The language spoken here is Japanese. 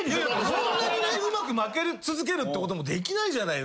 そんなにねうまく負け続けるってこともできないじゃないですか。